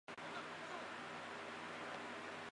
野芝麻马蓝为爵床科马蓝属下的一个种。